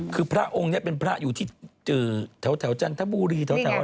คือพระองค์เนี่ยเป็นพระอยู่ที่แถวจันทบุรีแถวอะไรอย่างนี้